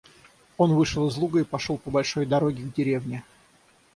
Он вышел из луга и пошел по большой дороге к деревне.